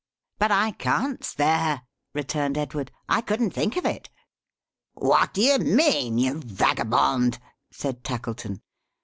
"But I can't spare her," returned Edward. "I couldn't think of it." "What do you mean, you vagabond?" said Tackleton.